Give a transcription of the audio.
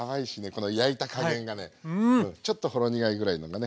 この焼いた加減がねちょっとほろ苦いぐらいのがね。